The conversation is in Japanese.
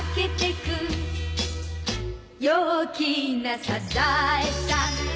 「陽気なサザエさん」